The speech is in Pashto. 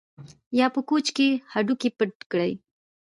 یا په کوچ کې هډوکي پټ کړي